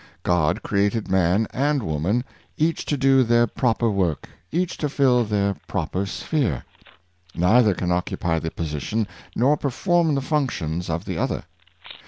God created man arid woman, each to do their proper work, each to fill their proper sphere. Neither can occupy the position, nor perform the functions of the other.